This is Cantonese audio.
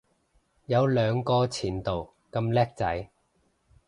有兩個前度咁叻仔